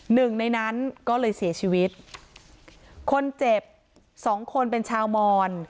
หนึ่งในนั้นก็เลยเสียชีวิตคนเจ็บสองคนเป็นชาวมอน